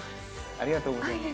ありがとうございます。